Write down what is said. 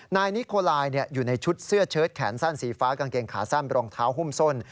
นายนิโคลายอยู่ในชุดเสื้อเชิดแขนสั้นสีฟ้ากางเกงขาสั้นรองเท้าหุ้มส้น